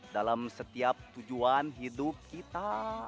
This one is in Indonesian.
dalam setiap tujuan hidup kita